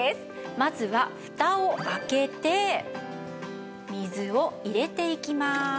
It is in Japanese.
まずはフタを開けて水を入れていきます。